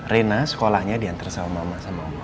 rena sekolahnya diantar sama mama sama mama